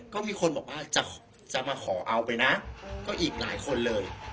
ก็มีคนบอกว่าจะมาขอเอาไปนะก็อีกหลายคนเลย